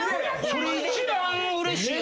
それ一番うれしいやつや。